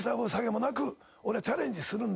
俺はチャレンジするんで。